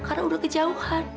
karena udah kejauhan